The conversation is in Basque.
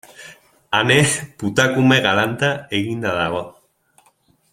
Ane putakume galanta eginda dago.